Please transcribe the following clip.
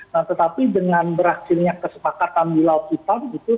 nah tetapi dengan berakhirnya kesepakatan di laut kita begitu